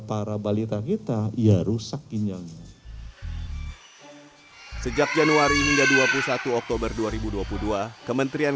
para balita kita ia rusak ginjalnya sejak januari hingga dua puluh satu oktober dua ribu dua puluh dua kementerian